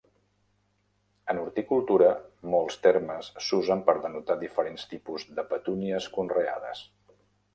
En horticultura, molts termes s'usen per denotar diferents tipus de petúnies conreades.